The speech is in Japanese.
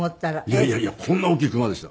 いやいやいやこんな大きい熊でした。